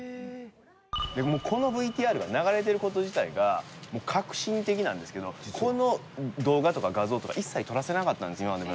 もうこのＶＴＲが流れてる事自体が革新的なんですけどこの動画とか画像とか一切撮らせなかったんです今までＢＲＯＺＥＲＳ